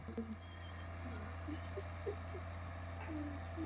Úspěchy proti bolševikům zaznamenali také povstalci v Dagestánu.